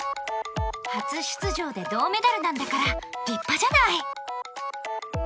初出番で銅メダルなんだから立派じゃない！